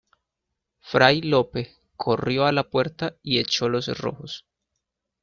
fray Lope corrió a la puerta y echó los cerrojos.